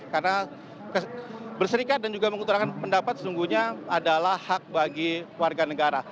karena berserikat dan juga menguturkan pendapat sesungguhnya adalah hak bagi warga negara